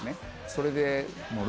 それで。